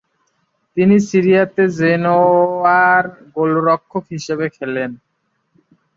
তিনি সিরি আ-তে জেনোয়া-র গোলরক্ষক হিসেবে খেলেন।